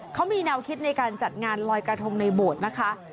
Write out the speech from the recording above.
เขามีแนวคิดในการจัดงานลอยกระทงในโบสถ์นะคะ